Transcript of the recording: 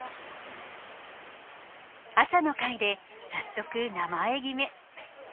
朝の会で早速名前決め。